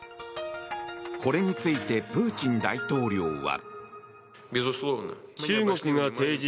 これについてプーチン大統領は。